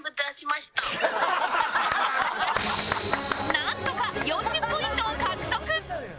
なんとか４０ポイントを獲得